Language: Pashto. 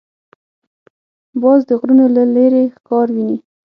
باز د غرونو له لیرې ښکار ویني